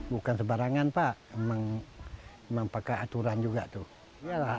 bukan sebarangan pak emang pakai aturan juga tuh